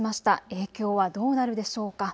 影響はどうなるでしょうか。